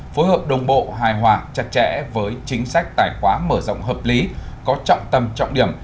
phối hợp đồng bộ hài hòa chặt chẽ với chính sách tài khoá mở rộng hợp lý có trọng tâm trọng điểm